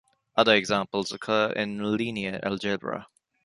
Other examples occur in linear algebra.